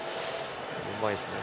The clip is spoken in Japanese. うまいですよね。